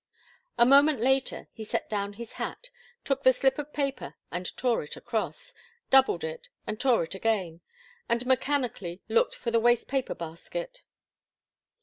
A moment later he set down his hat, took the slip of paper and tore it across, doubled it and tore it again, and mechanically looked for the waste paper basket.